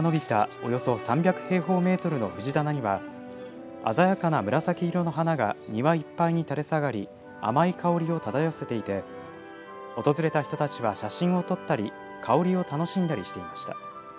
およそ３００平方メートルの藤棚には鮮やかな紫色の花が庭いっぱいに垂れ下がり甘い香りを漂わせていて訪れた人たちは写真を撮ったり香りを楽しんだりしていました。